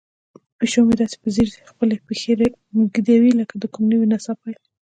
پیشو مې داسې په ځیر خپلې پښې ږدوي لکه د کومې نوې نڅا پیل.